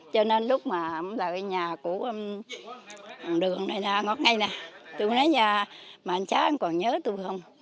cho nên lúc mà lại nhà của đường này ngọt ngây này tôi nói nhà mà anh cháu còn nhớ tôi không